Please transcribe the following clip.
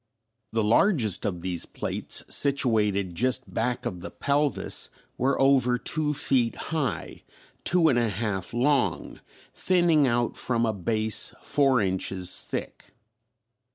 The largest of these plates situated just back of the pelvis were over two feet high, two and a half long, thinning out from a base four inches thick.